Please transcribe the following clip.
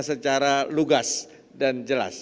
secara lugas dan jelas